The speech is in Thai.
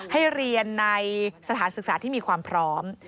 ให้เรียนในสถานศึกษาที่มีความพร้อม